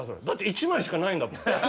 だって１枚しかないんだもん。